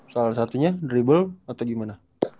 salah satunya drible atau gimana